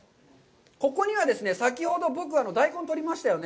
ここにはですね、先ほど僕、大根取りましたよね。